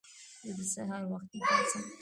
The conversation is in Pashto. زه د سهار وختي پاڅم.